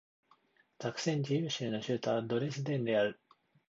ザクセン自由州の州都はドレスデンである